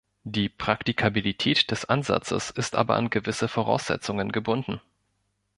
Die Praktikabilität des Ansatzes ist aber an gewisse Voraussetzungen gebunden.